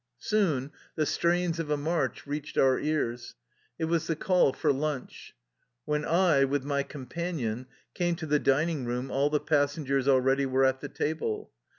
Soon the strains of a march reached our ears. It was the call for lunch. When I, with my companion, came to the dining room all the passengers already were at the table.